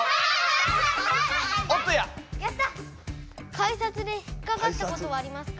改札で引っかかったことはありますか？